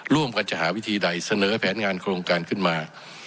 ร่วมกันจะหาวิธีใดเสนอแผนงานโครงการขึ้นมา